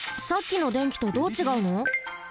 さっきの電気とどうちがうの？